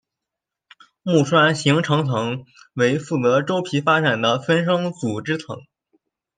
木栓形成层为负责周皮发展的分生组织层。